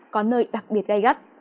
có nơi đặc biệt gai gắt